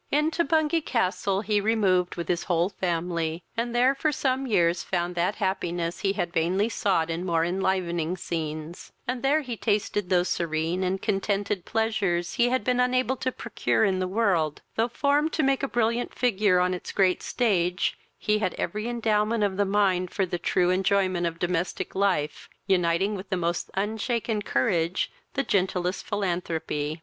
Into Bungay Castle he removed with his whole family, and there for some years found that happiness he had vainly sought in more enlivening scenes; and there he tasted those serene and contented pleasures he had been unable to procure in the world; though formed to make a brilliant figure on its great stage, he had every endowment of the mind for the true enjoyment of domestic life, uniting with the most unshaken courage the gentlest philanthropy.